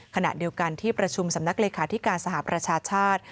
ขณะเดียวกันที่ประชุมสำนักเลขาธิการสหประชาชาติ